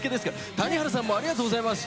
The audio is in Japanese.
谷原さんもありがとうございます。